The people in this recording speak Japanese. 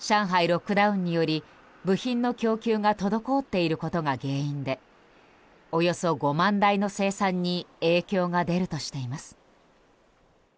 ロックダウンにより部品の供給が滞っていることが原因でおよそ５万台の生産に影響が出るとしています。